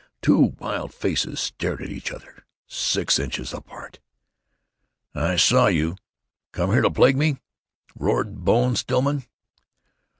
Two wild faces stared at each other, six inches apart. "I saw you. Came here to plague me!" roared Bone Stillman.